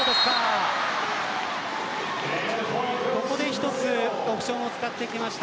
ここで一つオプションを使ってきました。